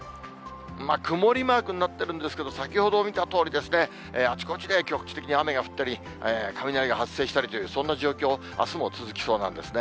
曇りマークになってるんですけど、先ほど見たとおりですね、あちこちで局地的に雨が降ったり、雷が発生したりというそんな状況、あすも続きそうなんですね。